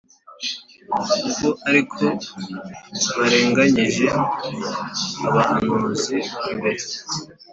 kuko ari ko barenganyije abahanuzi ba mbere.